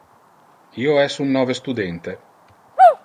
Io es un nove studente.